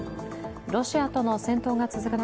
ロシアとの戦闘が続く中、